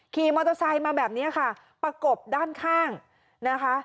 ขี่มอเตอร์ไซค์มาแบบนี้ค่ะประกบด้านข้างนะคะ